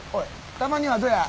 たまにはどや？